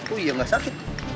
wih gak sakit